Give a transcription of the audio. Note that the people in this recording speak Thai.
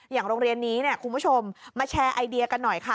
อย่างโรงเรียนนี้คุณผู้ชมมาแชร์ไอเดียกันหน่อยค่ะ